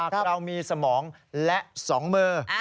เรามีสมองและ๒มือ